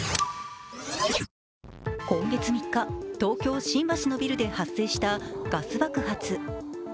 今月３日、東京・新橋のビルで発生したガス爆発。